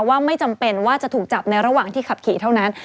ว่าไม่จำเป็นว่าจะถูกจับในระหว่างที่ขับขี่เท่านั้น